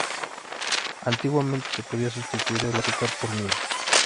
Antiguamente se podía sustituir el azúcar por miel.